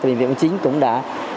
bệnh viện một mươi chín cũng đã